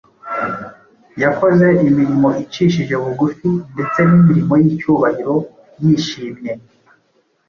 yakoze imirimo icishije bugufi ndetse n’imirimo y’icyubahiro yishimye.